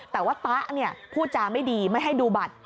แต่ว่าป๊าเนี่ยพูดจาไม่ดีไม่ให้ดูบัตร